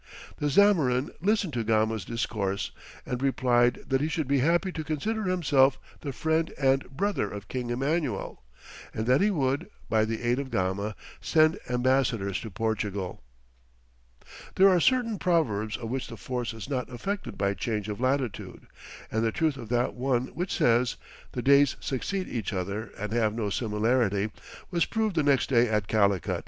The Zamorin listened to Gama's discourse, and replied that he should be happy to consider himself the friend and brother of King Emmanuel, and that he would, by the aid of Gama, send ambassadors to Portugal. [Illustration: Gama's interview with the Zamorin. From an old print.] There are certain proverbs of which the force is not affected by change of latitude, and the truth of that one which says, "The days succeed each other and have no similarity," was proved the next day at Calicut.